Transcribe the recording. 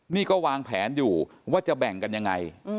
นี่ก็วางแผนอยู่ว่าจะแบ่งกันยังไง